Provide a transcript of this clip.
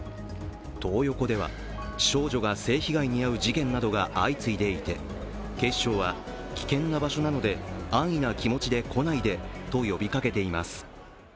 トー横では少女が性被害に遭う事件などが相次いでいて、警視庁は、危険な場所なので安易な気持ちで来ないでと呼びかけています。